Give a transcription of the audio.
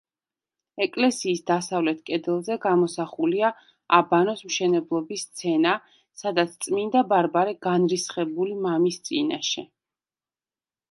ეკლესიის დასავლეთ კედელზე გამოსახულია აბანოს მშენებლობის სცენა სადაც წმინდა ბარბარე განრისხებული მამის წინაშე.